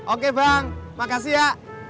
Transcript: oke bang makasih ya